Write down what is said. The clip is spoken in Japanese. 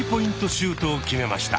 シュートを決めました。